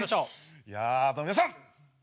いや皆さん！